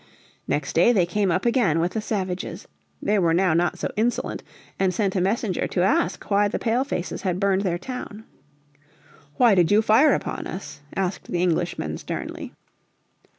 Next day they came up again with the savages. They were now not so insolent and sent a messenger to ask why the Pale faces had burned their town. "Why did you fire upon us?" asked the Englishmen, sternly.